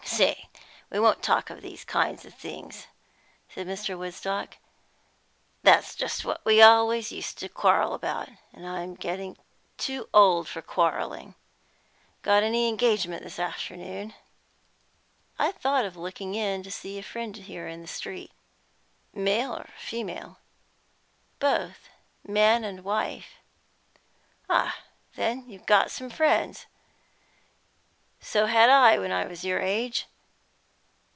"See, we won't talk of these kind of things," said Mr. Woodstock. "That's just what we always used to quarrel about, and I'm getting too old for quarrelling. Got any engagement this afternoon?" "I thought of looking in to see a friend here in the street" "Male or female?" "Both; man and wife." "Oh, then you have got some friends? So had I when I was your age.